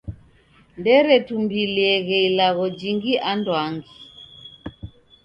Nderetumbulieghe ilagho jingi anduangi.